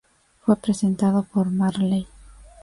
Fue presentado por Marley.